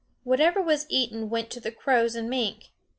Whatever was eaten went to the crows and mink.